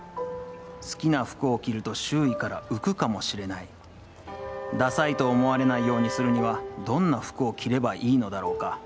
好きな服を着ると周囲から浮くかもしれない、ダサいと思われないようにするにはどんな服を着ればいいのだろうか。